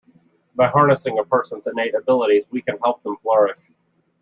By harnessing a persons innate abilities we can help them flourish.